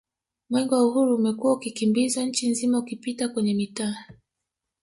Mwenge wa Uhuru umekuwa ukikimbizwa Nchi nzima ukipita kwenye mitaa